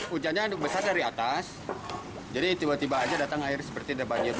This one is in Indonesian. hujannya besar dari atas jadi tiba tiba aja datang air seperti ada banjir